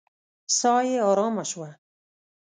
ساه يې آرامه شوه.